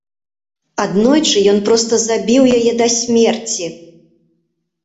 Аднойчы ён проста забіў яе да смерці.